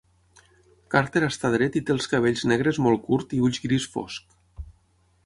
Carter està dret i té els cabells negres molt curt i ulls gris fosc.